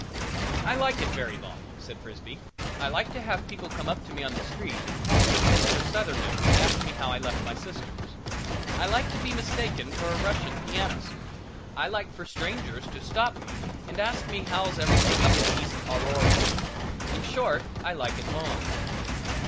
"I like it very long," said Frisbee. "I like to have people come up to me on the street and call me Mr. Sutherland and ask me how I left my sisters? I like to be mistaken for a Russian pianist. I like for strangers to stop me and ask me how's everything up at East Aurora. In short, I like it long."